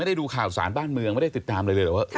ได้ดูข่าวสารบ้านเมืองไม่ได้ติดตามอะไรเลยหรือว่า